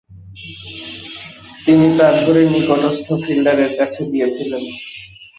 তিনি তা ধরে নিকটস্থ ফিল্ডারের কাছে দিয়েছিলেন।